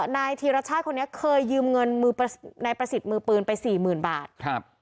นายธีรชาติคนนี้เคยยืมเงินมือนายประสิทธิ์มือปืนไปสี่หมื่นบาทครับ